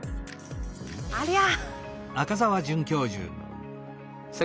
ありゃ。